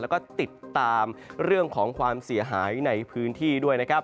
แล้วก็ติดตามเรื่องของความเสียหายในพื้นที่ด้วยนะครับ